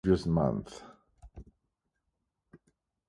He had been promoted to acting squadron leader the previous month.